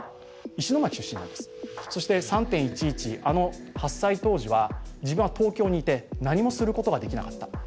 あの発災当時は自分は東京にいて何もすることができなかった。